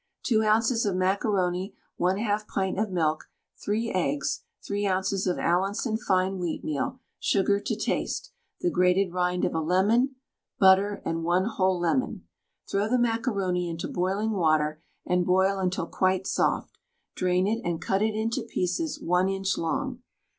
2 oz. of macaroni, 1/2 pint of milk, 3 eggs, 3 oz. of Allinson fine wheatmeal, sugar to taste, the grated rind of a lemon, butter, and 1 whole lemon. Throw the macaroni into boiling water and boil until quite soft; drain it and cut it into pieces 1 inch long.